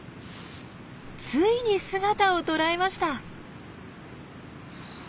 ついに姿を捉えました！